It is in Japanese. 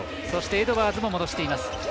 そしてエドワーズも戻しています。